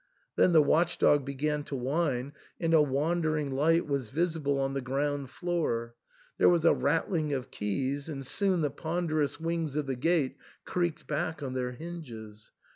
Then the watch dog began to whine, and a wandering light was visible on the ground floor. There was a rattling of keys, and soon the pon derous wings of the gate creaked back ob their hinges.